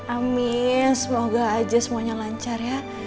amin semoga aja semuanya lancar ya